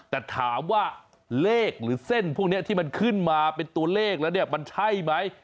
แต่ถามว่าเลขหรือเส้นพวกนี้ที่มันขึ้นมาเป็นตัวเลขแล้วเนี่ยมันใช่ไหม